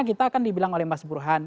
kita kan dibilang oleh mas burhan